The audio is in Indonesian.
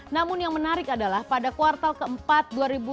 namun yang menarik adalah pada kuartal keempat dua ribu dua puluh